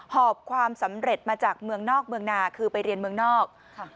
หอบความสำเร็จมาจากเมืองนอกเมืองนาคือไปเรียนเมืองนอก